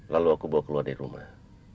lalu aku bawa keluar dari rumah